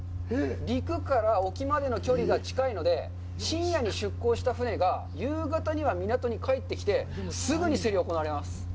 陸から沖までの距離が近いので、深夜に出航した船が夕方には港に帰ってきて、すぐに競りが行われます。